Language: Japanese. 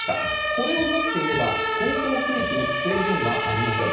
これを持っていれば、航行区域に制限はありません。